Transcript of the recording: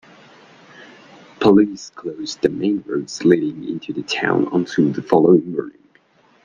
Police closed the main roads leading into the town until the following morning.